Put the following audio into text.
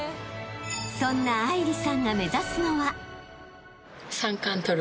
［そんな愛梨さんが目指すのは］